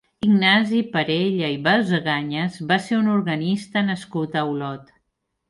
Ignasi Parella i Basaganyas va ser un organista nascut a Olot.